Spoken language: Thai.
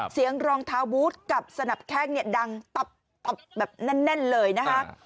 เบียงรองเท้าบุ๊ตกับสนับแข้งเนี่ยดังตอบแบบแน่นเลยนะครับ